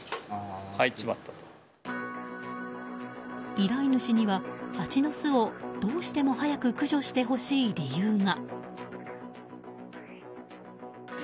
依頼主には、ハチの巣をどうしても早く駆除してほしい理由が。